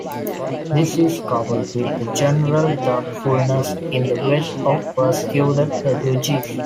This is coupled with a general doubtfulness in the West of persecuted refugees.